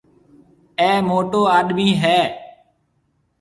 اَي موٽو آڏمِي هيَ۔